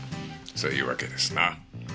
そういうわけですな。